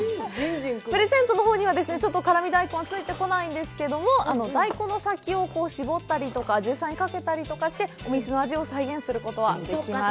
プレゼントのほうには、ちょっと辛味大根ついてこないんですけど、大根の先を絞ったりとか、実際にかけたりとかしてお店の味を再現することはできます。